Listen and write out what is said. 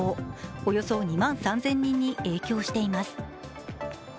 およそ２万３０００人に影響しています